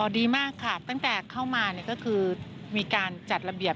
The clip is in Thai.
ดีมากค่ะตั้งแต่เข้ามาก็คือมีการจัดระเบียบ